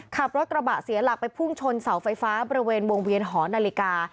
ขับรถกระบะเสียหลักไปพุ่งชนเสาไฟฟ้าบริเวณวงเวียนหอนาฬิกา